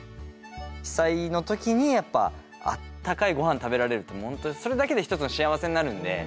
被災の時にやっぱあったかいごはん食べられるって本当にそれだけで一つの幸せになるんで。